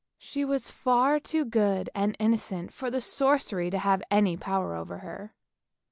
She was far too good and innocent for the sorcery to have any power over her.